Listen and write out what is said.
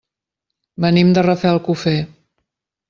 Venim de Rafelcofer.